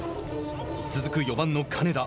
続く、４番の金田。